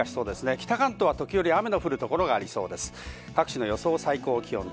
北関東は時折、雨の降る所がありそうです。